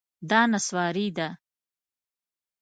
دا نسواري ده